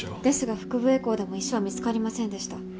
ですが腹部エコーでも石は見つかりませんでした。